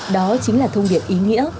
đó chính là thông điệp ý nghĩa